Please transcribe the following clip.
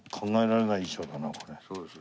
そうです。